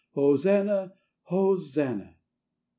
Hosanna! Hosanna!